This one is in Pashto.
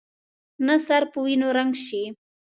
نه سر په وینو رنګ شي.